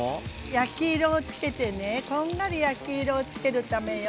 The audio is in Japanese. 焼き色をつけてねこんがり焼き色をつけるためよ。